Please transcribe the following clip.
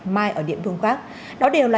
mai ở địa phương khác đó đều là